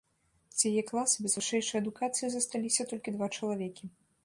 З яе класа без вышэйшай адукацыі засталіся толькі два чалавекі.